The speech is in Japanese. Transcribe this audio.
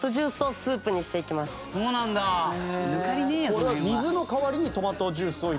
これは水の代わりにトマトジュースを入れた？